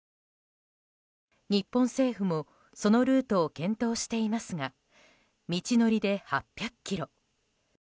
日本政府も、そのルートを検討していますが道のりで８００ｋｍ。